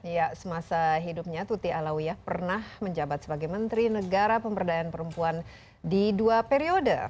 ya semasa hidupnya tuti alawiyah pernah menjabat sebagai menteri negara pemberdayaan perempuan di dua periode